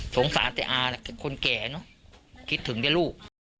สงสารแถวอานะคนแก่เนอะคิดถึงด้วยลูก